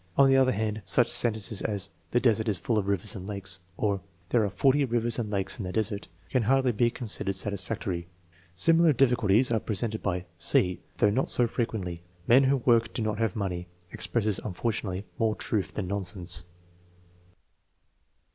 On the other hand, such sentences as " The desert is full of rivers and lakes/' or " There are forty rivers and lakes 248 THE 1VJDEASUEEMENT OF INTELLIGENCE In the desert," can hardly be considered satisfactory. Similar difficulties are presented by (c), though not so fre quently. " Men who work do not have money " expresses, unfortunately, more truth than nonsense.